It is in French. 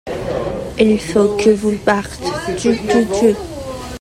Il faut que vous part— — Tu tu tut!